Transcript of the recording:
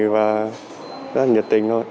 và rất là nhiệt tình